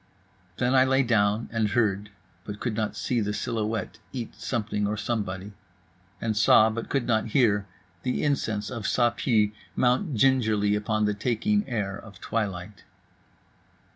Then I lay down, and heard (but could not see the silhouette eat something or somebody) … and saw, but could not hear, the incense of Ça Pue mount gingerly upon the taking air of twilight.